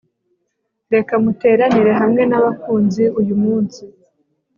reka muteranire hamwe nabakunzi uyumunsi